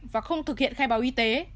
và không thực hiện khai báo y tế